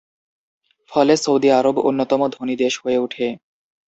ফলে Saudi Arab অন্যতম ধনী দেশ হয়ে উঠে।